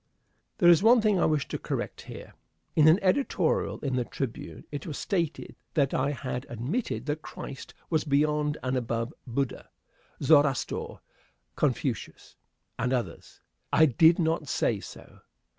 There is one thing I wish to correct here. In an editorial in the Tribune it was stated that I had admitted that Christ was beyond and above Buddha, Zoroaster, Confucius, and others. I did not say so.